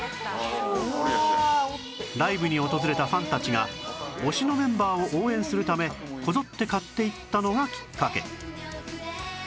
ライブに訪れたファンたちが推しのメンバーを応援するためこぞって買っていったのがきっかけ